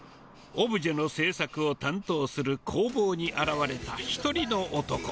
オブジェの制作を担当する工房に現れた、１人の男。